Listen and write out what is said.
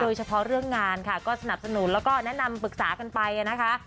โดยเฉพาะเรื่องงานค่ะก็สนับสนุนแล้วก็แนะนำปรึกษากันไปนะคะ